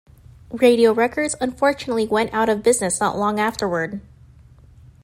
Radio Records, unfortunately, went out of business not long afterward.